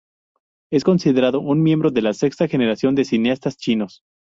Es considerado un miembro de la sexta generación de cineastas chinos.